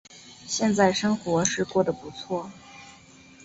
现在生活是过得不错